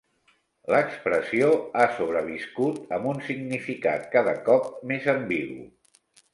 L'expressió ha sobreviscut, amb un significat cada cop més ambigu.